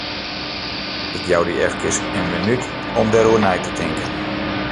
Ik jou dy efkes in minút om dêroer nei te tinken.